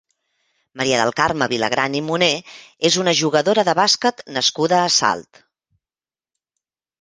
Maria del Carme Vilagran i Moner és una jugadora de bàsquet nascuda a Salt.